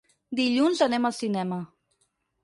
Dilluns anem al cinema.